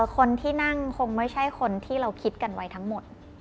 คนที่นั่งคงไม่ใช่คนที่เราคิดกันไว้ทั้งหมด